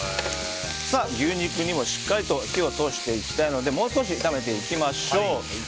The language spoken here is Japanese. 牛肉にもしっかりと火を通していきたいのでもう少し炒めていきましょう。